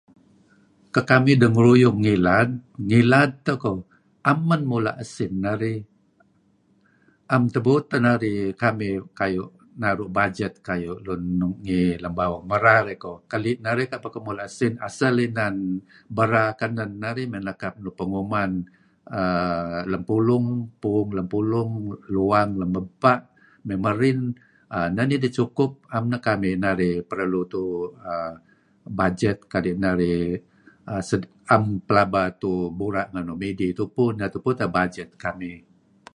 Kakamih dangaruyung ngilad, ngilad tah koh..a'am man mulah sin narih, a'am tabuut tah narih, kamih kayuh naruh bajet kayuh lun nuk ngi bawang maral[err] koh. kalih narih tah kan mulah sin asal inan bera kanan narih ,may nakap nuk paguman aah lam pulong..pu'ong lam pulong, luwang lam apah, may marin[aah] nadih sukup a'am nah kamih tuuh[aah] bajet kadih narih sata'ap pelaba tuuh burah ngan nuk midih tupu. Nah tupu tah bajet kamih.